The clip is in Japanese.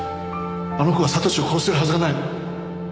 あの子が悟史を殺せるはずがない！